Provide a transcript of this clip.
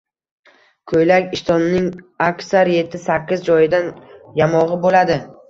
“ko’ylak, ishtonining aksar yetti-sakkiz joyidan yamog’i bo’ladi.